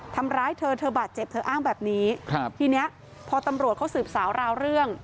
ทำร้ายเธอเธอบาดเจ็บเธออ้างแบบนี้ครับทีเนี้ยพอตำรวจเขาสืบสาวราวเรื่อง